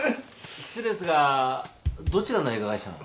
失礼ですがどちらの映画会社の？